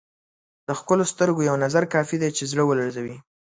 د ښکلو سترګو یو نظر کافي دی چې زړه ولړزوي.